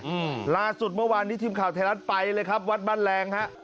อืมล่าสุดเมื่อวานนี้ทีมข่าวไทยรัฐไปเลยครับวัดบ้านแรงฮะ